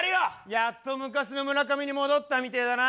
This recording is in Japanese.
やっと昔の村上に戻ったみてえだな。